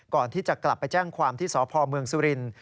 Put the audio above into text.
ก่อนที่จะกลับไปแจ้งความที่สพเมืองสุรินทร์